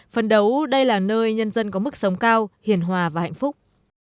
phần đấu đây là nơi nhân dân có mức sống cao hiền hòa và hạnh phúc